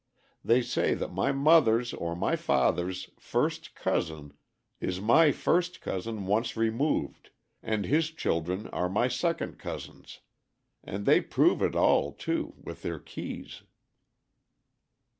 They say that my mother's or my father's first cousin is my first cousin once removed, and his children are my second cousins, and they prove it all, too, with their keys."